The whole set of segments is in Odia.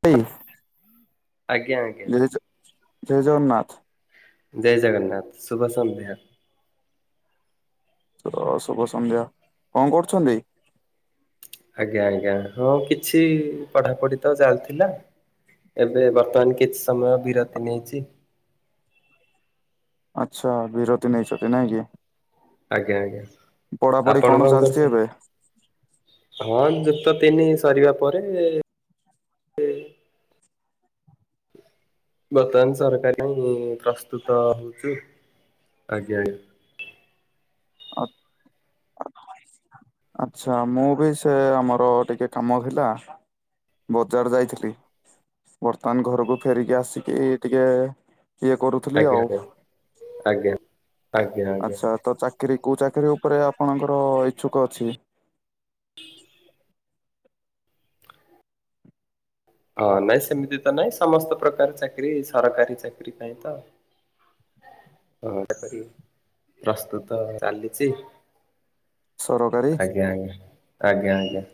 ସେଇ ଆଜ୍ଞା ଆଜ୍ଞା ଜୟ ଜଗନ୍ନାଥ ଜୟ ଜଗନ୍ନାଥ ଶୁଭ ସନ୍ଧ୍ୟା ଅ ଶୁଭ ସନ୍ଧ୍ୟା କଣ କରୁଛନ୍ତି? ଆଜ୍ଞା ଆଜ୍ଞା ହଁ କିଛି ପଢାପଢି ତ ଚାଲିଥିଲା ଏବେ ବର୍ତ୍ତମାନ କିଛି ସମୟ ବିରତି ନେଇଛି ଆଚ୍ଛା ବିରତି ନେଇଛନ୍ତି ନାଇଁ କି ଆଜ୍ଞା ଆଜ୍ଞା ପଢାପଢି ଆପଣ କଣ ଚାଲିଛି କରୁଛନ୍ତି? ଏବେ? ହଁ ଏମିତି ତ ତିନି ସରିବା ପରେ ବର୍ତ୍ତମାନ ସରକାରୀ ପ୍ରସ୍ତୁତ ହଉଚି ଆଜ୍ଞା ଆଜ୍ଞା [unintelligible] ଆଚ୍ଛା ମୁଁ ବି ସେ ଆମର ଟିକେ କାମ ଥିଲା ବଜାର ଯାଇଥିଲି ବର୍ତ୍ତମାନ ଘରକୁ ଫେରିକି ଆସିକି ଟିକେ ଇଏ କରୁଥିଲି ଆଜ୍ଞା ଆଉ ଆଜ୍ଞା ଆଜ୍ଞା। ଆଜ୍ଞା ଆଜ୍ଞା। ଆଚ୍ଛା ତ ଚାକି କି କୋଉ ଚାକିରି ଉପରେ ଆପଣଙ୍କର ଇଛୁକ ଅଛି ହଁ ନାଇଁ ସେମିତି ତ ନାଇଁ ସମସ୍ତ ପ୍ରକାର ଚାକିରି ସରକାରୀ ଚାକିରି ପାଇଁ ତ। [inaudible] ହଁ ପ୍ରସ୍ତୁତ ଚାଲିଛି। ସରକାରୀ ଆଜ୍ଞା ଆଜ୍ଞା ଆଜ୍ଞା ଆଜ୍ଞା।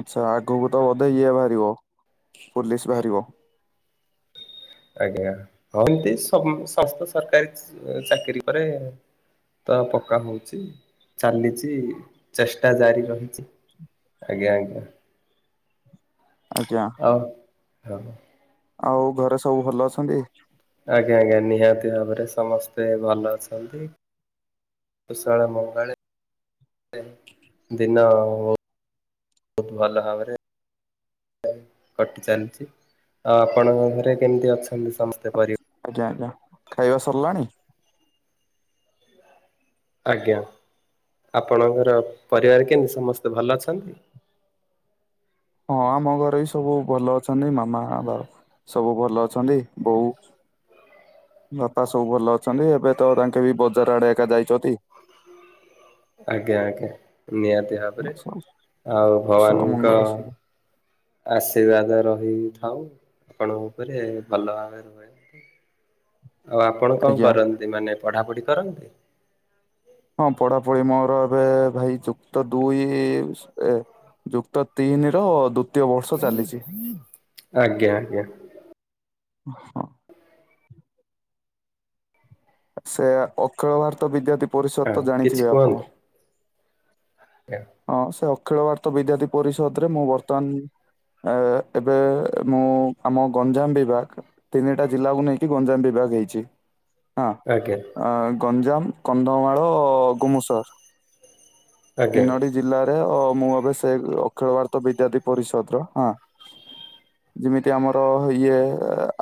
ଆଚ୍ଛା ଆଗକୁ ତ ବୋଧେ ଇଏ ବାହାରିବ ପୋଲିସ ବାହାରିବ। [inaudible] ଆଜ୍ଞା ହଁ ଏମତି ସମସ୍ତ ସରକାରି ଚାକିରି କରେ। ତ ପକ୍କା ହଉଛି ଚାଲିଛି ଚେଷ୍ଟା ଜାରି ରହିଛି। ଆଜ୍ଞା ଆଜ୍ଞା। ଆଜ୍ଞା। ହଉ। ଆଉ ଘରେ ସବୁ ଭଲ ଅଛନ୍ତି? ଆଜ୍ଞା ଆଜ୍ଞା ନିହାତି ଭାବରେ ସମସ୍ତେ ଭଲ ଅଛନ୍ତି। ଇଶ୍ଵର ମଙ୍ଗଳରେ ଦିନ ବହୁତ ଭଲ ଭାବରେ କଟି ଚାଲିଛି ଆଉ ଆପଣଙ୍କ ଘରେ କେମିତି ଅଛନ୍ତି ସମସ୍ତେ ପରିବାର ଆଜ୍ଞା ଆଜ୍ଞା ଖାଇବା ସରିଲାଣି? ଆଜ୍ଞା ଆପଣଙ୍କର ପରିବାର କେମିତି ସମସ୍ତେ ଭଲ ଅଛନ୍ତି? [inaudible] ହଁ ଆମ ଘରେ ବି ସବୁ ଭଲ ଅଛନ୍ତି ମାମା, ବାବା ସବୁ ଭଲ ଅଛନ୍ତି ବୋଉ ବାପା ସବୁ ଭଲ ଅଛନ୍ତି ଏବେ ତ ତାଙ୍କେ ବି ବଜାର ଆଡେ ଏକା ଯାଇଛନ୍ତି। [inaudible] ଆଜ୍ଞା ଆଜ୍ଞା ନିହାତି ଭାବରେ ସ- ଆଉ କୁଶଳ ଭଗବାନଙ୍କ ମଙ୍ଗଳ ସବୁ ଆଶୀର୍ବାଦ ରହିଥାଉ ଆପଣଙ୍କ ଉପରେ ଭଲ ଭାବେ ରୁହନ୍ତୁ। [inaudible] ଆଉ ଆପଣ କଣ ଆଜ୍ଞା କରନ୍ତି ମାନେ ପଢାପଢି କରନ୍ତି? ହଁ ପଢା ପଢି ମୋର ଏବେ ଭାଇ ଯୁକ୍ତ ଦୁଇ ଏ ଯୁକ୍ତ ତିନି ର ଦୁ ଆଜ୍ଞା ଆଜ୍ଞା। ହୁଁ। ସେ ଅଖିଳ ଭାରତ ବିଦ୍ୟାର୍ଥୀ ପରିଷଦ ହଁ ତ କିଛି ଜାଣିଥିବେ ଆପଣ? କୁହନ୍ତୁ? ଆଜ୍ଞା ହଁ ସେ ଅଖିଳ ଭାରତ ବିଦାର୍ଥୀ ପରିଷଦ ରେ ମୁଁ ବର୍ତ୍ତମାନ ଆ ଏବେ ମୁଁ ଆମ ଗଞ୍ଜାମ ବିଭାଗ ତିନିଟା ଜିଲ୍ଲାକୁ ନେଇକି ଗଞ୍ଜାମ ବିଭାଗ ଦେଇଛି। ହଁ ଆଜ୍ଞା ଅଁ ଗଞ୍ଜାମ କନ୍ଧମାଳ ଗୁମୁଶର। ଆଜ୍ଞା। ରେ ମୁଁ ଏବେ ସେ ଅଖିଳ ଭାରତ ବିଦ୍ୟାର୍ଥୀ ପରିଷଦ ର ହଁ ଯେମିତି ଆମର ଇଏ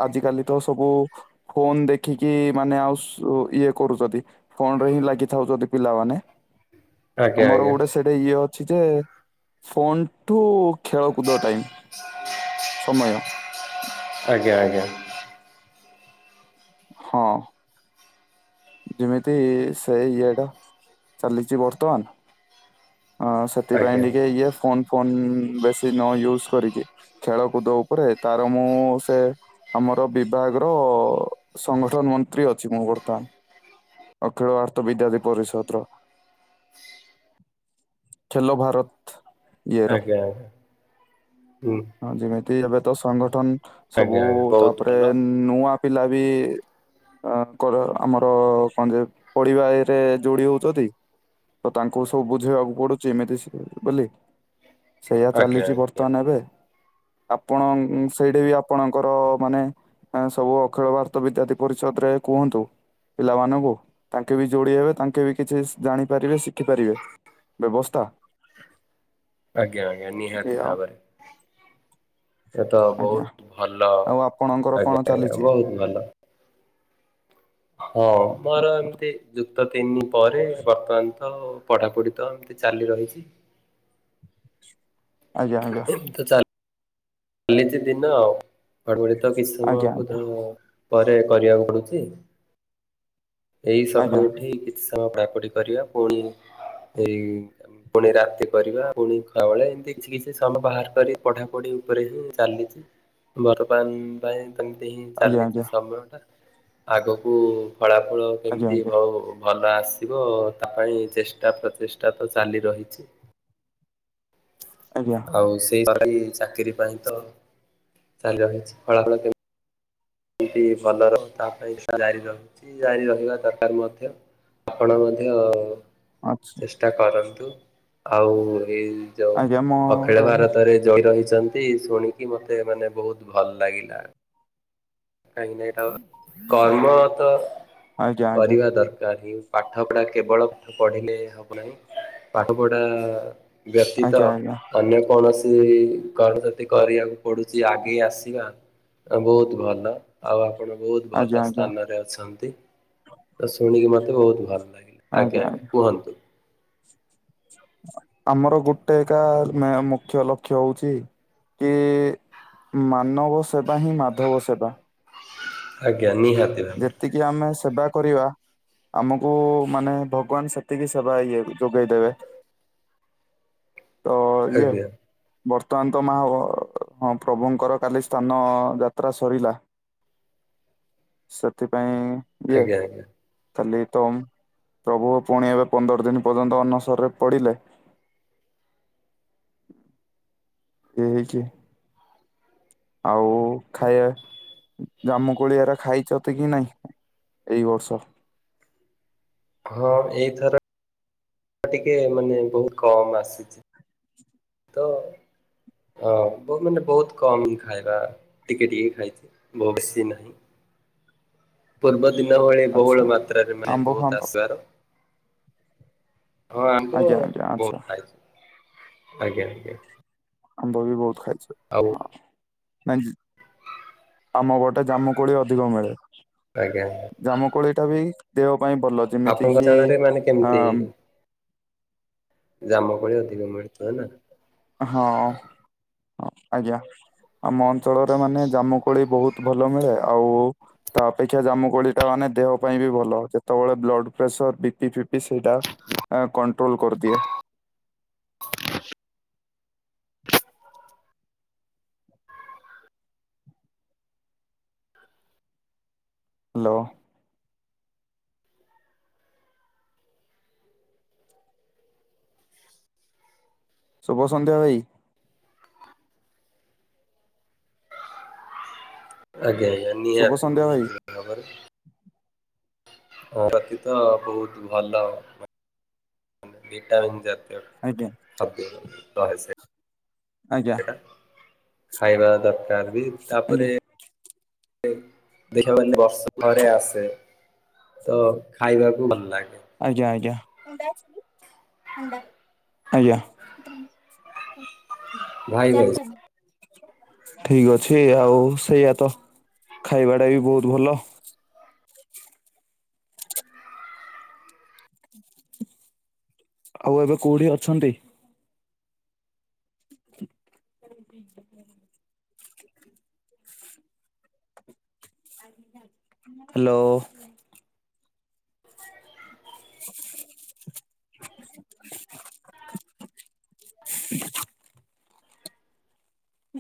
ଆଜିକାଲି ତ ସବୁ ଫୋନ ଦେଖିକି ମାନେ ଆଉ ସୁ ଇଏ କରୁଛନ୍ତି ଫୋନ ରେ ହିଁ ଲାଗି ଥାଉଛନ୍ତି ପିଲାମାନେ। ଆଜ୍ଞା ଆମର ଆଜ୍ଞା। ଗୋଟେ ସେଠି ଇଏ ଅଛି ଯେ ଫୋନଠୁ ଖେଳକୁଦ ଟାଇମ୍ ସମୟ [inaudible] ହଁ। ଯେମିତି ସେ ଇଏ ଟା ଚାଲିଛି ବର୍ତ୍ତମାନ। ହଁ ସେଥିପାଇଁ ଟିକେ ଆଜ୍ଞା ଇଏ ଫୋନ୍ ଫୋନ୍ ବେଶି ନ ୟୁଜ କରିକି ଖେଳକୁଦ ଉପରେ ତାର ମୁଁ ସେ ଆମର ବିବା ଭାଗ ର ସଂଗଠନ ମନ୍ତ୍ରୀ ଅଛି ମୁଁ ବର୍ତ୍ତମାନ। ଅଖିଳ ଭାରତ ବିଦ୍ୟାଥୀ ପରିଷଦର। ଖେଲ ଭାରତ। ଇଏର ଆଜ୍ଞା। ହଁ ଯେମିତି ଏବେ ତ ସଂଗଠନ ସବୁ ଆଜ୍ଞା ଆଜ୍ଞା ବହୁତ ତାପରେ ଭଲ ନୂଆ ପିଲା ବି ଅ କର ଆମର କଣ ଯେ ପଡ଼ିବା ଇଏରେ ଯୋଡି ହଉଛନ୍ତି ତ ତାଙ୍କୁ ସବୁ ବୁଝେଇବାକୁ ପଡ଼ୁଛି ଏମିତି ବୋଲି ସେଇଆା ଆଜ୍ଞା ଚାଲିଛି ଆଜ୍ଞା। ବର୍ତ୍ତମାନ ଏବେ ଆପଣ ସେଇଠି ବି ଆପଣଙ୍କର ମାନେ ସବୁ ଅଖିଳ ଭାରତ ବିଦ୍ୟାର୍ଥୀ ପରିଷଦ ରେ କୁହନ୍ତୁ। ପିଲାମାନଙ୍କୁ ତାଙ୍କେ ବି ଯୋଡ଼ି ହେବେ ତାଙ୍କେ ବି କିଛି ଜାଣିପାରିବେ ଶିଖିପାରିବେ। ବ୍ୟବସ୍ଥା। ଆଜ୍ଞା ଆଜ୍ଞା ଏଇଆ ନିହାତି ଆଉ ଭାବରେ। ଏ ତ ଆଜ୍ଞା ବହୁତ ଭଲ ଆଉ ଆପଣଙ୍କର କଣ ଆଜ୍ଞା ଆଜ୍ଞା ଚାଲିଛି? ବହୁତ ଭଲ। ହଁ ମୋର ଏମତି ଯୁକ୍ତ ତିନି ପରେ ବର୍ତ୍ତମାନ ତ ପଢ଼ାପଢ଼ି ତ ଏମିତି ଚାଲି ରହିଛି ଆଜ୍ଞା ଆଜ୍ଞା। ଏମିତି ତ ଚାଲିଛି ଦିନ ଆଉ ବଡ଼ିବଡି ତ କିଛି ଆଜ୍ଞା ସମୟଙ୍କୁ ପରେ କରିବାକୁ ପଡ଼ୁଛି। ଏଇ ଆଜ୍ଞା ସକାଳୁ ଉଠି କିଛି ସମୟ ପାପଡ଼ି କରିବା ପୁଣି ଏଇ ପୁଣି ରାତି କରିବା ପୁଣି ଖୁଆ ବେଳେ ଏମିତି କିଛି କିଛି ସମୟ ବାହାର କରି ପଢ଼ାପଢ଼ି ଉପରେ ହିଁ ଚାଲିଛି। ବର୍ତ୍ତମାନ ପାଇଁ ଏମିତି ହିଁ ଆଜ୍ଞା ଚାଲିଛି ଆଜ୍ଞା ସମୟ ଟା ଆଗକୁ ଫଳା ଫଳ ଆଜ୍ଞା କେମିତି ହଉ ଭଲ। ଭ ଆସିବ ତାହାହିଁ ଚେଷ୍ଟା ପ୍ରଚେଷ୍ଟା ତ ଚାଲି ରହିଛି ଆଜ୍ଞା ଆଜ୍ଞା ଆଉ ସେଇ ଚାକିରି ପାଇଁ ତ ଚାଲି ରହିଛି ଫଳାଫଳ କେମିତି। ଏମତି ଭଲ ରହୁ ତା ପାଇଁ ଜାରି ରହୁଛି ଜାରି ରହିବା ଦରକାର ମଧ୍ୟ। ଆପଣ ମଧ୍ୟ ଆଚ୍ଛା ଚେଷ୍ଟା କରନ୍ତୁ ଆଉ ଏ ଯୋଉ ଆଜ୍ଞା ମୋର ଅଖିଳ ବି ଭାରତରେ ଜଇନ ହେଇ ଅଛନ୍ତି ଶୁଣିକି ମତେ ମାନେ ବହୁତ ଭଲ ଲାଗିଲା। କାହିଁକି ନା କର୍ମ ତ ଆଜ୍ଞା ଆଜ୍ଞା କରିବା ଦରକାର ହିଁ। ପାଠ ପଢ଼ା କେବଳ ପଢ଼ିଲେ ହବ ନାହିଁ ପାଠ ପଢ଼ା ବ୍ୟତୀତ ଆଜ୍ଞା ଆଜ୍ଞା ଅନ୍ୟ କୌଣସି କରସତି କରିବାକୁ ପଡ଼ୁଛି ଆଗେଇ ଆସିବା ବହୁତ ଭଲ। ଆଉ ଆପଣ ବହୁତ ଆଜ୍ଞା ଭଲ ଆଜ୍ଞା ସ୍ଥାନରେ ଅଛନ୍ତି। ତ ଶୁଣିକି ମତେ ବହୁତ ଭଲ ଆଜ୍ଞା ଆଜ୍ଞା କୁହନ୍ତୁ। ଆମର ଗୋଟେ ଏକା ମୁଖ୍ୟ ଲକ୍ଷ୍ୟ ହଉଛି କି ମାନବ ସେବା ହିଁ ମାଧବ ସେବା। ଆଜ୍ଞା ନିହାତି। ଭାବରେ ଯେତିକି ଆମେ ସେବା କରିବା ଆମକୁ ମାନେ ଭଗବାନ ସେତିକି ସେବା ଇଏ ଯୋଗେଇ ଦେବେ। ତ ଇଏ ଆଜ୍ଞା ବର୍ତ୍ତମାନ ତ ମା ହ ପ୍ରଭୁଙ୍କର କାଲି ସ୍ନାନ ଯାତ୍ରା ସରିଲା ସେଥିପାଇଁ ଆଜ୍ଞା ଆଜ୍ଞା। ଖାଲି ତ ପ୍ରଭୁ ପୁଣି ଏବେ ପନ୍ଦର ଦିନ ପର୍ଯ୍ୟନ୍ତ ଅନସରରେ ପଡିଲେ ହ ଏଇ ହେଇକି ଆଉ ଖାଇବା ଜାମୁ କୋଳିଆରେ ଖାଇଚତ କି ନାଇଁ ଏଇ ବର୍ଷ? ହଁ ଏଇଥର ଟିକେ ମାନେ ବହୁତ କମ୍ ଆସିଛି। ତ ହଁ ବ ମାନେ ବହୁତ କମ ଖାଇବା। ଟିକେ ଟିକେ ଖାଇଛି ବହୁତ ବେଶୀ ନାହିଁ। ପୂର୍ବ ଦିନ ଭଳି ବହୁଳ ଆଚ୍ଛା ମାତ୍ରାରେ ମାନେ ଆମ୍ବ ବହୁତ ଫାମ୍ବ ଆସିବାର ହଁ ଆମ୍ବ ଆଜ୍ଞା ଆଜ୍ଞା ଆଚ୍ଛା ବହୁତ ଖାଇଛି, ଆଜ୍ଞା-ଆଜ୍ଞା। ଆମ୍ବ ବି ବହୁତ ଖାଇଛି, ହଁ। ନାଇଁ ଯି, ଆମପଟେ ଜାମୁ କୋଳି ଅଧିକ ମିଳେ। ଆଜ୍ଞା ଜାମୁକୋଳିଟା ବି ଦେହ ପାଇଁ ଭଲ ଆପଣଙ୍କ ଯେମିତିକିି ଶାଳରେ ମାନେ ଆଁ ଜାମୁକୋଳି ଅଧିକ ମିଳୁଥିବ ନା? ହଁ, ଆଜ୍ଞା। ଆମ ଅଞ୍ଚଳରେ ମାନେ ଜାମୁକୋଳି ବହୁତ ଭଲ ମିଳେ, ଆଉ-ଉ-ଉ ତା ଅପେକ୍ଷା ଜାମୁ କୋଳିଟା ମାନେ ଦେହ ପାଇଁ ବି ଭଲ, ଯେତେବେଳେ ବ୍ଲଡପ୍ରେସର ବିପି ଫିପି ସେଇଟା ଆଁ କଣ୍ଟ୍ରୋଲ କରିଦିଏ। ହ୍ୟାଲୋ। ଶୁଭ ସନ୍ଧ୍ୟା ଭାଇ। ଆଜ୍ଞା-ଆଜ୍ଞା ଶୁଭ ନିହାତି ସନ୍ଧ୍ୟା ଭାଇ ନିହାତି ଭାବରେ। ହଁ ପ୍ରତି ତ ବହୁତ ଭଲ ମାନେ, ଭିଟାମିନ୍ ଜାତି। ଆଜ୍ଞା [unintelligible] ଆଜ୍ଞା। ଖାଇବା ଦରକାର ବି ତାପରେ ଆଜ୍ଞା [inaudible] ଦେଖ [inaudible] ବର୍ଷକୁ ଥରେ ଆସେ। ତ ଖାଇବାକୁ ଭଲ ଲାଗେ। ଆଜ୍ଞା-ଆଜ୍ଞା, ଆଜ୍ଞା। ଭାଇ ଭାଇ ଚାରିଟ ଠିକ ଅଛି, ଆଉ ସେଇଆ ତ। ଖାଇବାଟା ବି ବହୁତ ଭଲ। ଆଉ ଏବେ କୋଉଠି ଅଛନ୍ତି? [inaudible] ହ୍ୟାଲୋ। [inaudible] [inaudible]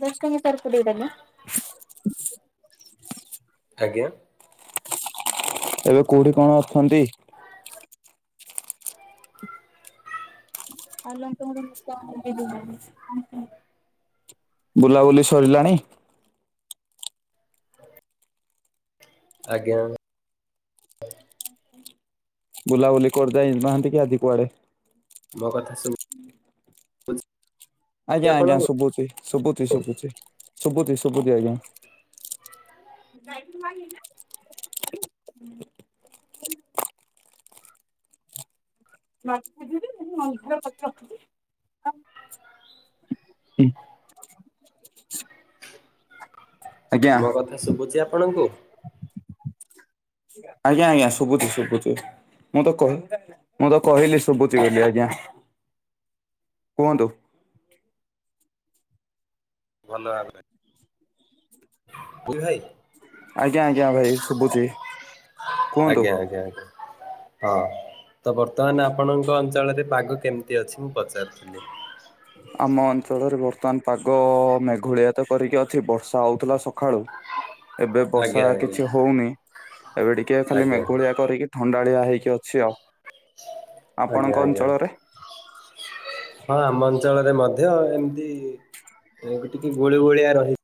ଦଶ ଟଙ୍କା [inaudible] ଟିକେ ଦେଲ। ଆଜ୍ଞା। ଏବେ କୋଉଠି କଣ ଅଛନ୍ତି? ଆ ତୋର ବୁଲାବୁଲି ସଇଲାଣି? ଆଜ୍ଞା। ବୁଲାବୁଲି କରିଯାଇ ନାହାନ୍ତି କି ଆଜି କୁଆଡେ? ମୋ କଥା ଶୁଭ୍ ଆପଣଙ୍କୁ ଆଜ୍ଞା-ଆଜ୍ଞା ଶୁଭୁଛି, ଶୁଭୁଛି ଶୁଭୁଛି, ଶୁଭୁଛି ଶୁଭୁଛି ଆଜ୍ଞା। ାଇ ମାି ମୁଁ ମର ରଖି ହୁଁ। ମୋ କଥା ଶୁଭୁଛି ଆପଣଙ୍କୁ? ଆଜ୍ଞା-ଆଜ୍ଞା, ଶୁଭୁଛି ଶୁଭୁଛି। ମୁଁ ତ କହି, ମୁଁ ତ କହିଲି ଶୁଭୁଛି ବୋଲି ଆଜ୍ଞା। କୁହନ୍ତୁ। ଭଲ ଭାବେ। [inaudible] ଭାଇ। ଆଜ୍ଞା-ଆଜ୍ଞା ଭାଇ ଶୁଭୁଛି, କୁହନ୍ତୁ। ଆଜ୍ଞା ଆଜ୍ଞା ଆଜ୍ଞା ତ ବର୍ତ୍ତମାନ ଆପଣଙ୍କ ଅଞ୍ଚଳରେ ପାଗ କେମିତି ଅଛି ମୁଁ ପଚାରୁିଥିଲି। ଆମ ଅଞ୍ଚଳରେ ବର୍ତ୍ତମାନ ପାଗ ମେଘୁଳିଆ ତ କରିକି ଅଛି ବର୍ଷା ହେଉଥିଲା ସଖାଳୁ। ଏବେ ବର୍ଷା ଆଜ୍ଞା ଆଜ୍ଞା କିଛି ହଉନି, ଏବେ ଟିକେ ଖାଲି ଆଜ୍ଞା ମେଘୁଳିଆ କରିକି ଥଣ୍ଡା [unintelligible] ହେଇକି ଅଛି ଆଉ ଆଜ୍ଞା ଆପଣଙ୍କ ଆଜ୍ଞା ଅଞ୍ଚଳରେ? ହଁ ଆମ ଅଞ୍ଚଳରେ ମଧ୍ୟ ଏମିତି ଏ ଟିକେ ଗୁଳି ଗୋଳିଆ ରହି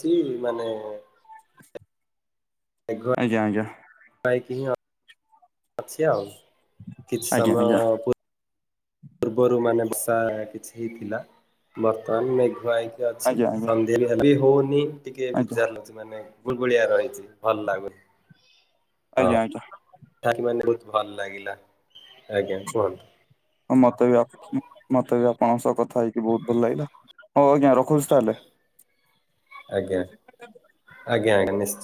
ଛି ମାନେ ଆଜ୍ଞା ଆଜ୍ଞା। ପାଇକି [unintelligible] ଅଛି ଆଉ କିଛି ଆଜ୍ଞା ଆଜ୍ଞା ସମୟ ପୂର୍ବରୁ ମାନେ ବର୍ଷା କିଛି ହେଇଥିଲା। ବର୍ତ୍ତମାନ ମେଘୁଆ ହେଇକି ଅଛି ଆଜ୍ଞା ଆଜ୍ଞା [unintelligible] ହଉନି ଟିକେ ଆଜ୍ଞା [unintelligible] ମାନେ ଗୁଲୁଗୁଳିଆ ରହିଛି ଭଲ ଲାଗୁ [unintelligible] ଆଜ୍ଞା ଆଜ୍ଞା। ହଁ [unintelligible] ଭଲ ଲାଗିଲା ଆଜ୍ଞା କୁହନ୍ତୁ। ହଁ ମତେ ବି ମତେ ବି ଆପଣଙ୍କ ସହ କଥା ହେଇକି ବହୁତ୍ ଭଲ ଲାଗିଲା। ହଉ ଆଜ୍ଞା ରଖୁଛି ତାହେଲେ। ଆଜ୍ଞା ଆଜ୍ଞା ଆଜ୍ଞା ନି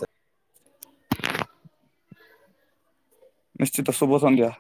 ନିଶ୍ଚିତ ଶୁଭ ସନ୍ଧ୍ୟା।